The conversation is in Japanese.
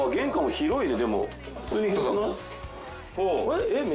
広いね。